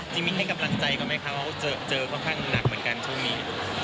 จุ๊ยมีแค่กำลังใจกับแม่คะเพราะเจอเท่าข้างหนักเหมือนกันช่วงนี้